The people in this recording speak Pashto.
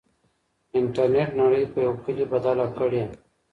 انټرنېټ نړۍ په يو کلي بدله کړې.